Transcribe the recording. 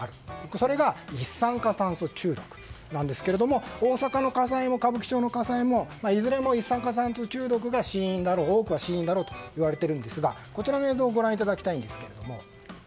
それが一酸化炭素中毒ですが大阪の火災も歌舞伎町の火災もいずれも多くは一酸化炭素中毒が死因だろうといわれているんですがこちらの映像をご覧いただきたいんですけれども。